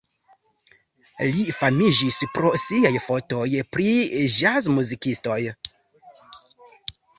Li famiĝis pro siaj fotoj pri ĵazmuzikistoj.